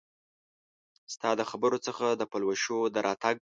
ستا د خبرو څخه د پلوشو د راتګ